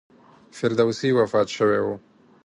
فردوسي وفات شوی و.